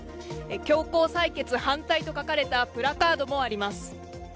強行採決反対と書かれたプラカードもあります。